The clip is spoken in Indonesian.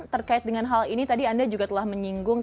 terkait dengan hal ini tadi anda juga telah menyinggung